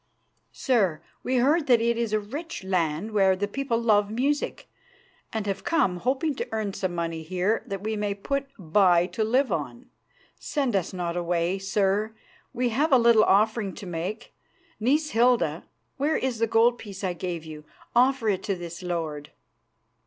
"Sir, we heard that it is a rich land where the people love music, and have come hoping to earn some money here that we may put by to live on. Send us not away, sir; we have a little offering to make. Niece Hilda, where is the gold piece I gave you? Offer it to this lord."